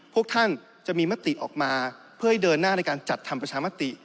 พวกท่านจะมีมติออกมาเพื่อให้เดินหน้าในการจัดทำประชามติ